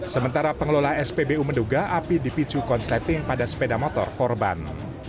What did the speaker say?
sementara pengelola spbu menduga api dipicu konsleting pada sepeda motor korban